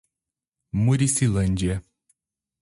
Muricilândia